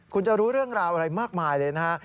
คุณจะรู้เรื่องราวอะไรมากมายเลยนะฮะ